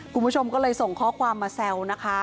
คุณผู้ชมก็เลยส่งข้อความมาแซวนะคะ